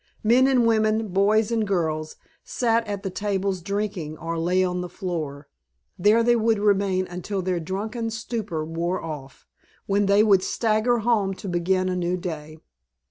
Men and women, boys and girls, sat at the tables drinking, or lay on the floor. There they would remain until their drunken stupor wore off, when they would stagger home to begin a new day.